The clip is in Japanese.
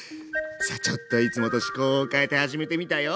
さあちょっといつもと趣向を変えて始めてみたよ。